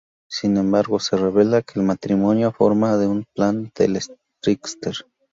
Sin embargo, se revela que el matrimonio forma parte de un plan del Trickster.